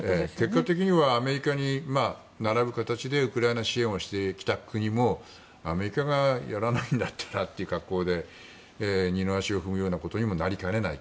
結果的にはアメリカに並ぶ形でウクライナ支援をしてきた国もアメリカがやらないんだったらという格好で二の足を踏むようなことにもなりかねない。